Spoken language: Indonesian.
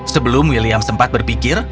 sebelum william sempat berpikir